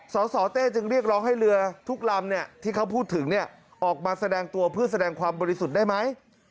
สสเต้จึงเรียกร้องให้เรือทุกลำที่เขาพูดถึงออกมาแสดงตัวเพื่อแสดงความบริสุทธิ์ได้ไหม